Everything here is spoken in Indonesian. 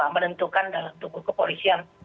menentukan dalam tubuh kepolisian